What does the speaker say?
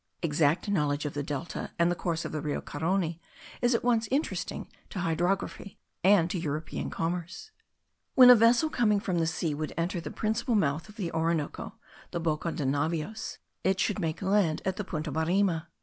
Exact knowledge of the delta and the course of the Rio Carony is at once interesting to hydrography and to European commerce. When a vessel coming from sea would enter the principal mouth of the Orinoco, the Boca de Navios, it should make the land at the Punta Barima.